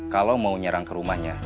kalau mau nyerang ke rumahnya